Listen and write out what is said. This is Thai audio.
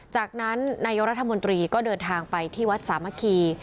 จากนั้นนายกรัฐมนตรีก็เดินทางไปที่วัดสามัคคี